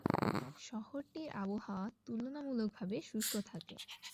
শহরটির আবহাওয়া তুলনামূলকভাবে শুষ্ক থাকে।